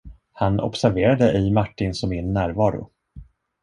Han observerade ej Martins och min närvaro.